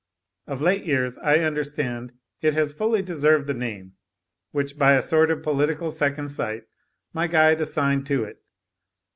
Of late years, I understand, it has fully deserved the name, which, by a sort of political second sight, my guide assigned to it.